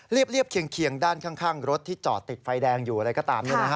เรียบเคียงด้านข้างรถที่จอดติดไฟแดงอยู่อะไรก็ตาม